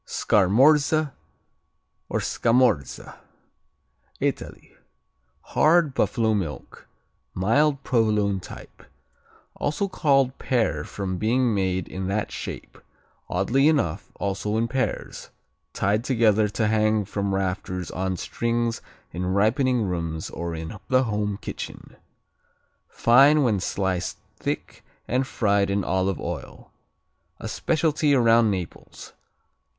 Scarmorze or Scamorze Italy Hard; buffalo milk; mild Provolone type. Also called Pear from being made in that shape, oddly enough also in pairs, tied together to hang from rafters on strings in ripening rooms or in the home kitchen. Fine when sliced thick and fried in olive oil. A specialty around Naples.